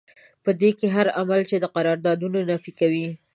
په دې کې هر عمل چې د قراردادونو نفي کوي.